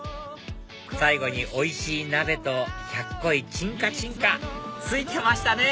最後においしい鍋とひゃっこいチンカチンカツイてましたね！